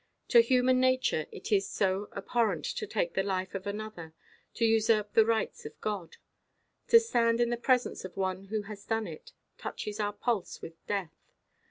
To human nature it is so abhorrent to take the life of another: to usurp the rights of God. To stand in the presence of one who has done it, touches our pulse with death.